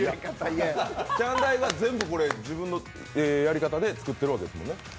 ちゃんだいは全部自分のやり方だ作ってるわけですもんね？